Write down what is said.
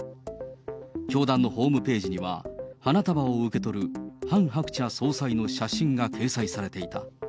教団のホームページには、花束を受け取るハン・ハクチャ総裁の写真が掲載されていた。